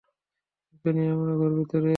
তোকে নিয়ে আমরা গর্বিত রে!